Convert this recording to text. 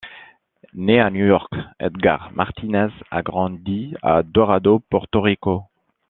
Né à New York, Edgar Martínez a grandi à Dorado, Porto Rico.